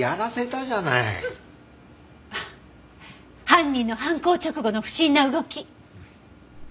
犯人の犯行直後の不審な動き！